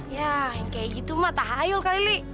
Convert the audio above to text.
ya yang kayak gitu mata hayul kali li